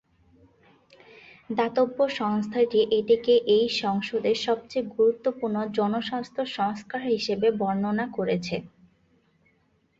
দাতব্য সংস্থাটি এটিকে এই সংসদের সবচেয়ে গুরুত্বপূর্ণ জনস্বাস্থ্য সংস্কার হিসেবে বর্ণনা করেছে।